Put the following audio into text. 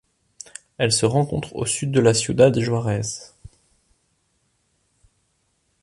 Elle se rencontre au Sud de Ciudad Juárez.